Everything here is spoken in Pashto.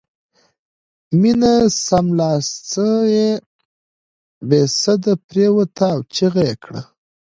مينه سمدلاسه بې سده پرېوته او چيغه یې کړه